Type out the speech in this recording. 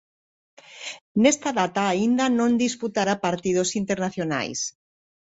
Nesta data aínda non disputara partidos internacionais.